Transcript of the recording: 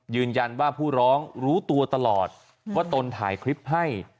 ผู้ร้องรู้ตัวตลอดว่าตนถ่ายคลิปให้